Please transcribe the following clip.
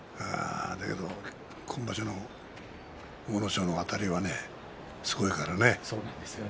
今場所の阿武咲のあたりはねすごいからね。